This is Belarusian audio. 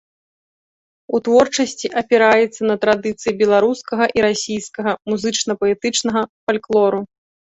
У творчасці апіраецца на традыцыі беларускага і расійскага музычна-паэтычнага фальклору.